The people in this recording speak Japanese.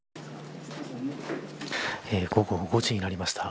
午後５時になりました。